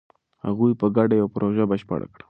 هغوی په ګډه یوه پروژه بشپړه کړه.